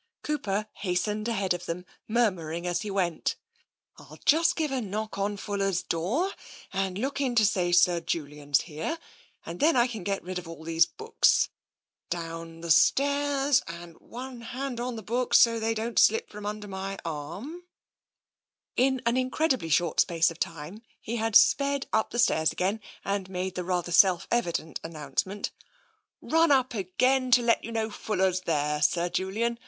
Cooper hastened ahead of them, murmuring as he went: " I'll just give a knock on Fuller's door, and look in to say Sir Julian's here, and then I can get rid of all these books ... down the stairs, and one hand on the books so that they don't slip from under my arm ...' In an incredibly short space of time he had sped up the stairs again and made the rather self evident an nouncement :" Run up again to let you know Fuller's there. Sir Julian.